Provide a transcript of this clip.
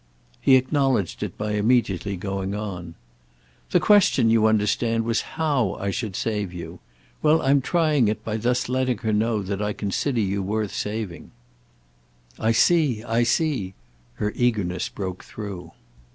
He acknowledged it by immediately going on. "The question, you understand, was how I should save you. Well, I'm trying it by thus letting her know that I consider you worth saving." "I see—I see." Her eagerness broke through.